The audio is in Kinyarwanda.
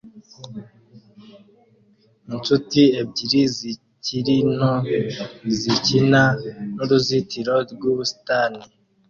Inshuti ebyiri zikiri nto zikina nuruzitiro rwubusitani